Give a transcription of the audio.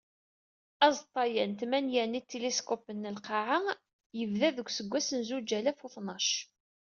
Aẓeṭṭa-a n tmanya n yitiliskupen n lqaɛa, yebda deg useggas n zuǧ alaf u tnac.